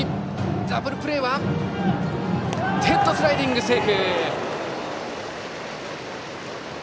ダブルプレーはヘッドスライディング、セーフ！